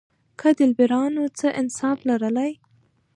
که دلبرانو څه انصاف لرلای.